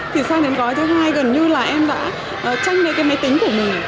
thì sang đến gói thứ hai gần như là em đã tranh lấy cái máy tính của mình